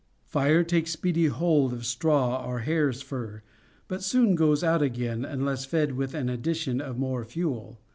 Fire takes speedy hold of straw or hare's fur, but 488 CONJUGAL PRECEPTS. soon goes out again, unless fed with an addition of more fuel.